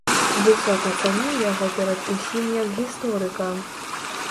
Высока цаніў яго перад усім як гісторыка.